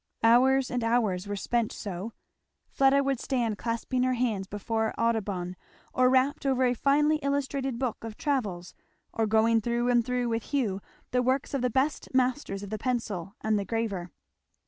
Hours and hours were spent so. Fleda would stand clasping her hands before Audubon, or rapt over a finely illustrated book of travels, or going through and through with Hugh the works of the best masters of the pencil and the graver.